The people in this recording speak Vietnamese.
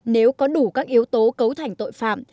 nếu có đủ các yếu tố cấu thành tội phạm